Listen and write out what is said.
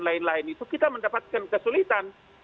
lain lain itu kita mendapatkan kesulitan